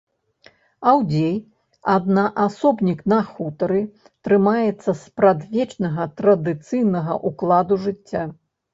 Аўдзей, аднаасобнік на хутары, трымаецца спрадвечнага, традыцыйнага ўкладу жыцця.